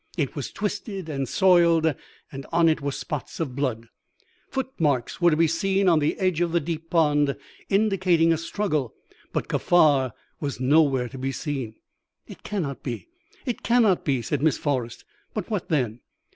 It was twisted and soiled, and on it were spots of blood. Footmarks were to be seen on the edge of the deep pond, indicating a struggle; but Kaffar was nowhere to be seen.' "'It cannot be! It cannot be!' said Miss Forrest. 'But what then?'